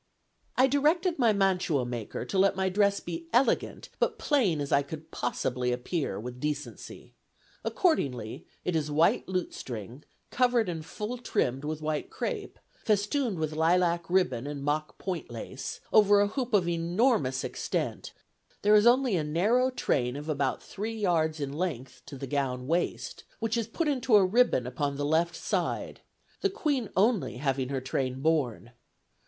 "I directed my mantuamaker to let my dress be elegant, but plain as I could possibly appear, with decency; accordingly, it is white lutestring, covered and full trimmed with white crape, festooned with lilac ribbon and mock point lace, over a hoop of enormous extent; there is only a narrow train of about three yards in length to the gown waist, which is put into a ribbon upon the left side, the Queen only having her train borne.